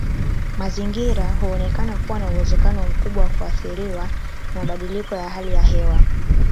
Mazingira huonekana kuwa na uwezekano mkubwa wa kuathiriwa na mabadiliko ya hali ya hewa.